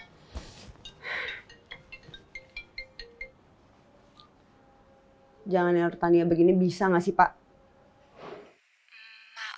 aku gak suka pada siang kakak